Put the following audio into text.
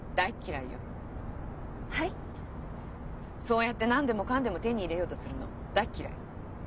そうやって何でもかんでも手に入れようとするの大嫌い。